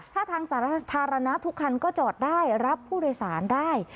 ถ้าทางสาธารณะทุกคันก็จอดได้รับผู้โดยสารได้